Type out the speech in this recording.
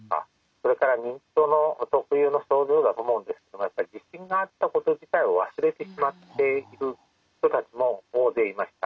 それから認知症の特有の症状だと思うんですけれどもやっぱり地震があったこと自体を忘れてしまっている人たちも大勢いました。